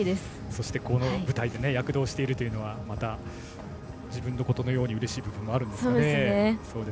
そして、この舞台で躍動しているというのはまた、自分のことのようにうれしい部分もあるんですね。